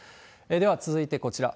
では、続いてこちら。